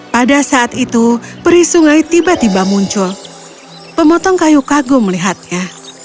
pada saat itu peri sungai tiba tiba muncul pemotong kayu kagum melihatnya